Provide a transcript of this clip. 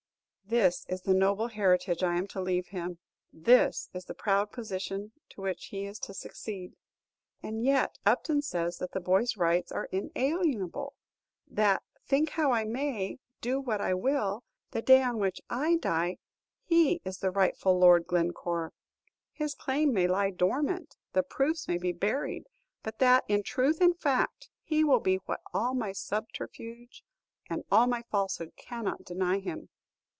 This is the noble heritage I am to leave him, this the proud position to which he is to succeed! And yet Upton says that the boy's rights are inalienable; that, think how I may, do what I will, the day on which I die, he is the rightful Lord Glencore. His claim may lie dormant, the proofs may be buried, but that, in truth and fact, he will be what all my subterfuge and all my falsehood cannot deny him.